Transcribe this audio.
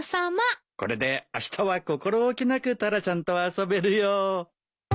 これであしたは心置きなくタラちゃんと遊べるよ。